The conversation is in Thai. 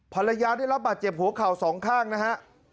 ภรรยาได้รับบาดเจ็บหัวเข่าสองข้างนะฮะ